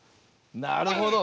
なるほど。